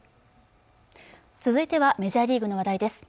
続いてはメジャーリーグの話題です